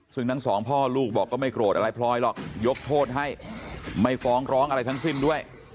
ซึ่งทั้งสองพ่อลูกบอกก็ไม่โกรธอะไรพลอยหรอกยกโทษให้ไม่ฟ้องร้องอะไรทั้งสิ้นด้วย